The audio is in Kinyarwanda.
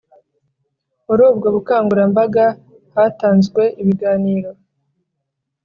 Muri ubwo bukangurambaga hatanzwe ibiganiro